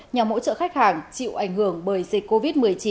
nhằm hỗ trợ khách hàng chịu ảnh hưởng bởi dịch covid một mươi chín